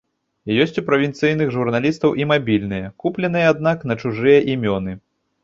Ёсць у правінцыйных журналістаў і мабільныя, купленыя аднак на чужыя імёны.